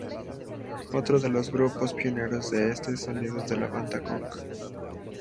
Otro de los grupos pioneros de este sonido es la banda Gong.